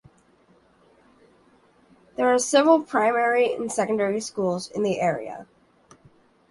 There are several primary and secondary schools in the area.